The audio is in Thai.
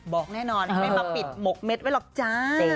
บอกแน่นอนไม่มาปิดหมกเม็ดไว้หรอกจ้า